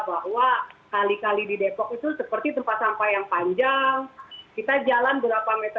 bisa keren banget